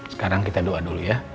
sekarang kita doa dulu ya